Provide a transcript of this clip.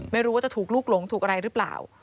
ไม่รู้ว่าจะถูกลูกหลงถูกอะไรหรือเปล่า